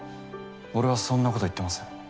俺はそんなこと言ってません